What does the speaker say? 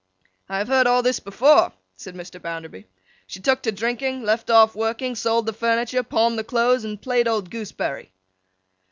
'I have heard all this before,' said Mr. Bounderby. 'She took to drinking, left off working, sold the furniture, pawned the clothes, and played old Gooseberry.